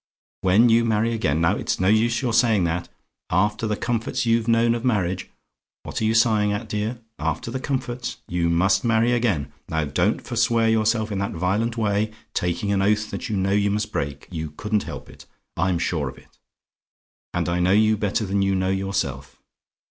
When you marry again now it's no use your saying that. After the comforts you've known of marriage what are you sighing at, dear? after the comforts, you must marry again now don't forswear yourself in that violent way, taking an oath that you know you must break you couldn't help it, I'm sure of it; and I know you better than you know yourself.